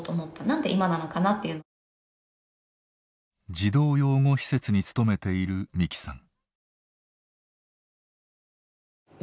児童養護施設に勤めている美希さん。